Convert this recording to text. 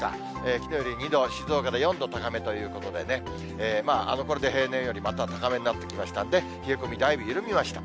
きのうより２度、静岡で４度高めということでね、平年より高めになってきましたので、冷え込み、だいぶ緩みました。